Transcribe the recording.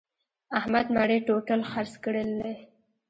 احمد مڼې ټوټل خرڅې کړلې.